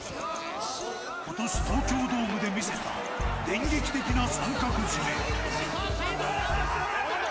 今年、東京ドームで見せた電撃的な三角絞め。